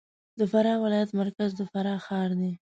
د فراه ولایت مرکز د فراه ښار دی